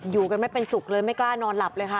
อยู่กันไม่เป็นสุขเลยไม่กล้านอนหลับเลยค่ะ